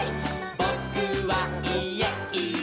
「ぼ・く・は・い・え！